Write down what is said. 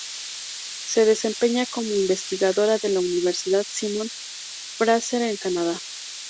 Se desempeña como investigadora de la Universidad Simon-Fraser en Canadá.